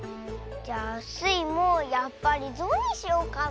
じゃあスイもやっぱりゾウにしようかなあ。